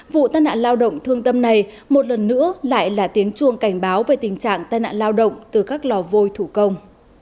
vụ tai nạn lao động thương tâm này một lần nữa lại là tiếng chuông cảnh báo về tình trạng tai nạn lao động từ các lò vôi thủ công